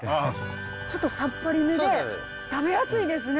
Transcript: ちょっとさっぱりめで食べやすいですね！